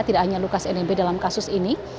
tidak hanya lukas nmb dalam kasus ini